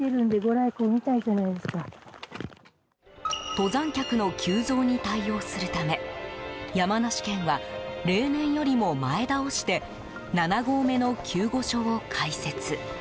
登山客の急増に対応するため山梨県は、例年よりも前倒して７合目の救護所を開設。